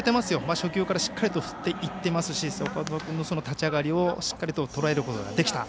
初球からしっかりと振っていっていますし岡本君の立ち上がりをしっかりとらえることができた。